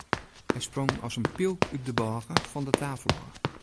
Hy sprong as in pylk út de bôge fan de tafel ôf.